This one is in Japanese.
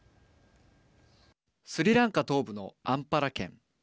スリランカ東部のアンパラ県。